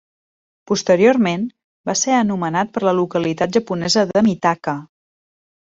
Posteriorment va ser anomenat per la localitat japonesa de Mitaka.